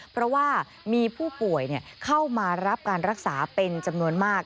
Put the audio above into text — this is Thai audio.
เพราะว่ามีผู้ป่วยเข้ามารับการรักษาเป็นจำนวนมาก